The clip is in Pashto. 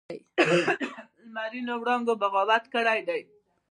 لمرینو وړانګو بغاوت کړی دی